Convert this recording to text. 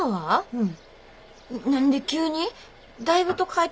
うん。